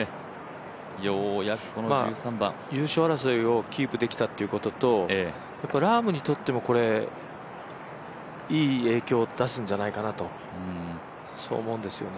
ようやくこの１３番。優勝争いをキープできたってこととラームにとってもいい影響を生むんじゃないかなと、そう思うんですよね。